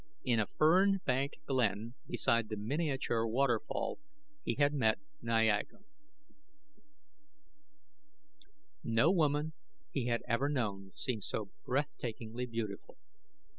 In a fern banked glen beside the miniature waterfall he had met Niaga. No woman he had ever known seemed so breathtakingly beautiful.